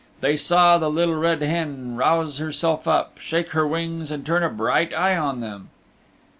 They saw the Little Red Hen rouse herself up, shake her wings and turn a bright eye on them.